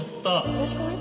おいしくない？